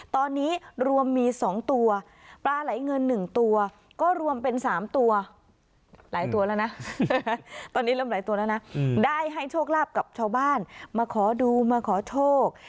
ตอนนี้รวมมี๒ตัวปลาไหลเงิน๑ตัวก็รวมเป็น๓ตัวหลายตัวแล้วนะตอนนี้เริ่มหลายตัวแล้วนะได้ให้โชคลาภกับชาวบ้านมาขอดูมาขอโชค